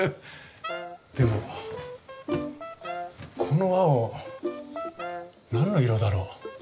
でもこの青何の色だろう？